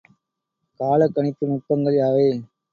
காலக்கணிப்பு நுட்பங்கள் யாவை?